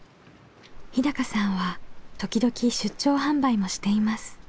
日さんは時々出張販売もしています。